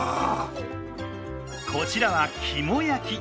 こちらは肝焼き。